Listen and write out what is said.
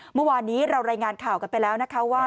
เมื่อวานนี้เรารายงานข่าวกันไปแล้วนะคะว่า